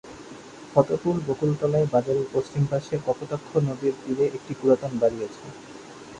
ফতেপুর বকুলতলায় বাজারের পশ্চিম পার্শ্বে কপোতাক্ষ নদীর তীরে একটি পুরাতন বাড়ি আছে।